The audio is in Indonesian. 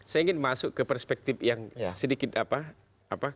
saya ingin masuk ke perspektif yang sedikit apa